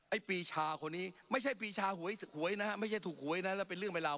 ปีชาคนนี้ไม่ใช่ปีชาหวยหวยนะไม่ใช่ถูกหวยนะแล้วเป็นเรื่องเป็นราว